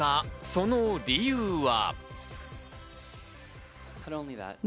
その理由は？